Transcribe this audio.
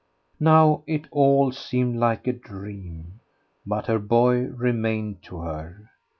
Now it all seemed like a dream. But her boy remained to her.